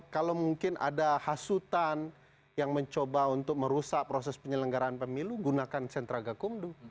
kalau mungkin ada hasutan yang mencoba untuk merusak proses penyelenggaraan pemilu gunakan sentra gakumdu